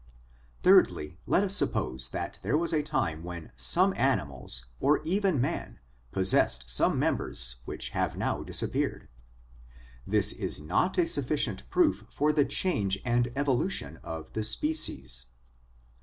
Thirdly, let us suppose that there was a time when some animals, or even man, possessed some members which have now disappeared; this is not a sufficient proof of the change and evolution of the species.